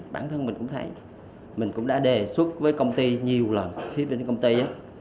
bản thân mình cũng thấy mình cũng đã đề xuất với công ty nhiều lần phí với công ty